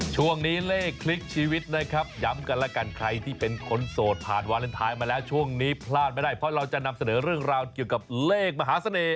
ช่วงนี้เลขคลิกชีวิตนะครับย้ำกันแล้วกันใครที่เป็นคนโสดผ่านวาเลนไทยมาแล้วช่วงนี้พลาดไม่ได้เพราะเราจะนำเสนอเรื่องราวเกี่ยวกับเลขมหาเสน่ห